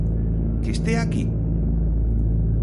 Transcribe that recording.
Que estea aquí?